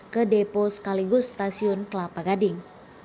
ke depo sekaligus stasiun kelapa gading